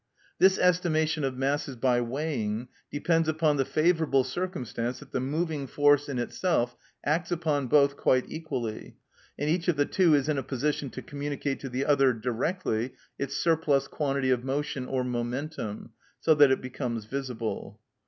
This estimation of masses by weighing depends upon the favourable circumstance that the moving force, in itself, acts upon both quite equally, and each of the two is in a position to communicate to the other directly its surplus quantity of motion or momentum, so that it becomes visible.